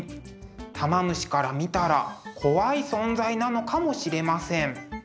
玉虫から見たら怖い存在なのかもしれません。